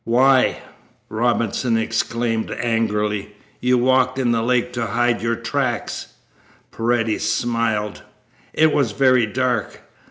"Why," Robinson exclaimed angrily, "you walked in the lake to hide your tracks!" Paredes smiled. "It was very dark.